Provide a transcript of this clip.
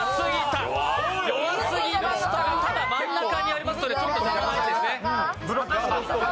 ただ、真ん中にありますのでちょっと邪魔な位置ですね。